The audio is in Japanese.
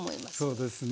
そうですね。